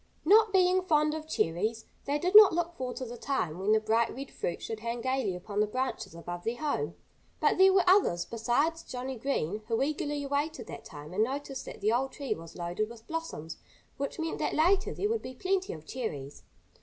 Not being fond of cherries, they did not look forward to the time when the bright red fruit should hang gaily upon the branches above their home. But there were others besides Johnnie Green who eagerly awaited that time and noticed that the old tree was loaded with blossoms, which meant that later there would be plenty of cherries.